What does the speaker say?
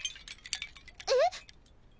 えっ！？